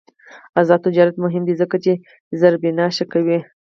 آزاد تجارت مهم دی ځکه چې زیربنا ښه کوي.